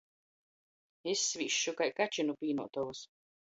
Izsvīsšu kai kači nu pīnoutovys.